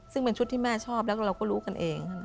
ซึ่งเป็นชุดที่แม่ชอบแล้วเราก็รู้กันเอง